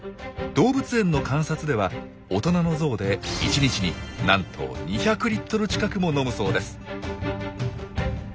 動物園の観察では大人のゾウで１日になんと２００リットル近くも飲むそうです。